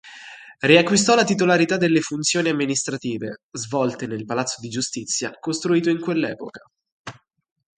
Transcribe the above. Riacquistò la titolarità delle funzioni amministrative, svolte nel Palazzo di Giustizia, costruito in quell'epoca.